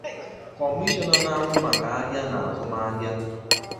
Kọmishọna na-ahụ maka ahịa na azụmahị